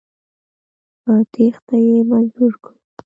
په تېښته یې مجبور کړ.